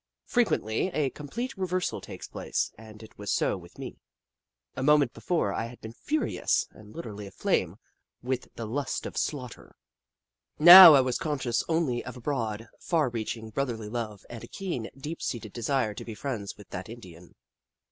Frequently a com plete reversal takes place, and it was so with me. A moment before, I had been furious and literally aflame with the lust of slaughter. Now I was conscious only of a broad, far reaching brotherly love, and a keen, deep seated desire to be friends with that Indian.